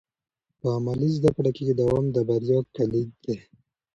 په عملي زده کړه کې دوام د بریا کلید دی.